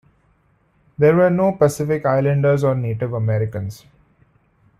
There were no Pacific Islanders or Native Americans.